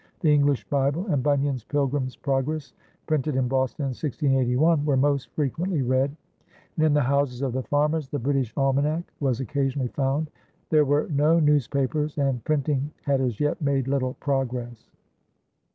The English Bible and Bunyan's Pilgrim's Progress, printed in Boston in 1681, were most frequently read, and in the houses of the farmers the British Almanac was occasionally found. There were no newspapers, and printing had as yet made little progress.